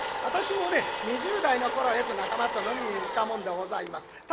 私もね２０代の頃はよく仲間と飲みに行ったもんでございます。